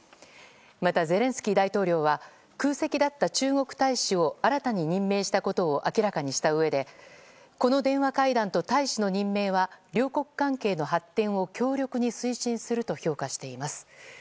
またゼレンスキー大統領は空席だった中国大使を新たに任命したことを明らかにしたうえでこの電話会談と大使の任命は両国関係の発展を強力に推進すると評価しています。